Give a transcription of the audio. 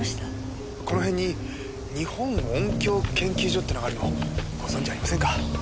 この辺に日本音響研究所ってのがあるのをご存じありませんか？